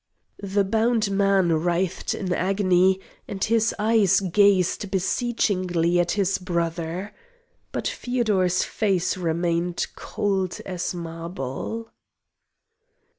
The bound man writhed in an agony and his eyes gazed beseechingly at his brother. But Feodor's face remained cold as marble.